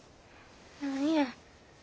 何や。